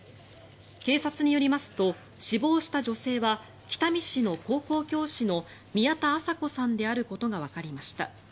警察によりますと死亡した女性は北見市の高校教師の宮田麻子さんであることがわかりました。